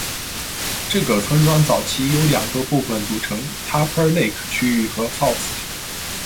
这个村庄早期由两个部分组成 ：Tupper Lake 区域和 Faust。